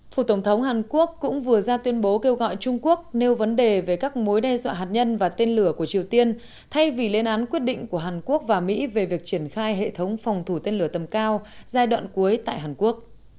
phủ tổng thống hàn quốc cũng vừa ra tuyên bố kêu gọi trung quốc nêu vấn đề về các mối đe dọa hạt nhân và tên lửa của triều tiên thay vì lên án quyết định của hàn quốc và mỹ về việc triển khai hệ thống phòng thủ tên lửa tầm cao giai đoạn cuối tại hàn quốc